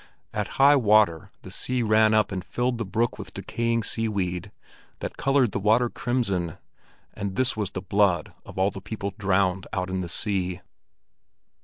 At high water the sea ran up and filled the brook with decaying seaweed that colored the water crimson; and this was the blood of all the people drowned out in the sea.